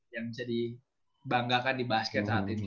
yang bisa dibanggakan di basket saat ini